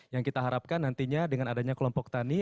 yang kita harapkan nantinya dengan adanya kelompok tani